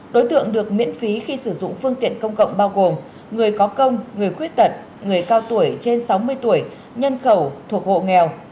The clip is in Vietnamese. đối tượng được miễn phí khi sử dụng phương tiện công cộng bao gồm người có công người khuyết tật người cao tuổi trên sáu mươi tuổi nhân khẩu thuộc hộ nghèo